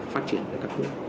phát triển của các nước